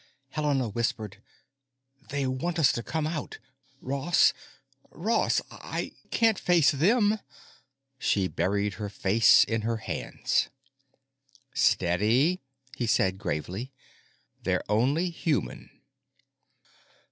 Helena whispered, "They want us to come out. Ross—Ross—I can't face them!" She buried her face in her hands. "Steady," he said gravely. "They're only human."